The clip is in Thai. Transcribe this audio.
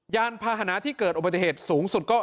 ยานพาหนะที่เกิดอุบัติเหตุสูงสุดก็